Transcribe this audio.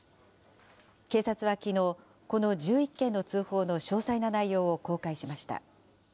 警察はきのう、この１１件の通報の詳細な内容を公開しました。